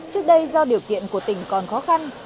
trước đây do điều kiện của tỉnh còn khó khăn